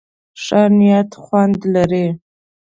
ښه نيت خوند لري.